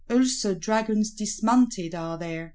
Also Dragoons dismounted are there.